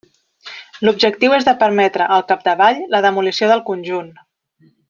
L'objectiu és de permetre, al capdavall, la demolició del conjunt.